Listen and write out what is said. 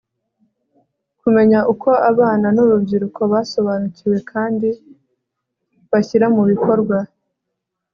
kumenya uko abana n'urubyiruko basobanukiwe kandi bashyira mu bikorwa